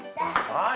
はい！